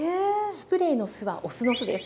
スプレーのスはお酢の酢です。